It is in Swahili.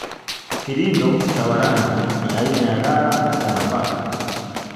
Kirindo cha Warangi ni aina ya ghala ya nafaka